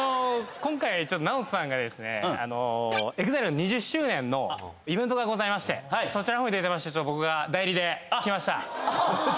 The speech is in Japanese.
今回ちょっとＮＡＯＴＯさんがですねＥＸＩＬＥの２０周年のイベントがございましてそちらの方に出てまして代理？